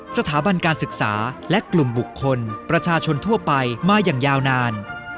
สถาบันการศึกษาและกลุ่มบุคคลประชาชนทั่วไปมาอย่างยาวนาน